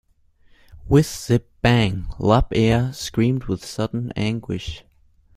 Whiz-zip-bang. Lop-Ear screamed with sudden anguish.